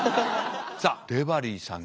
さあデバリーさんが。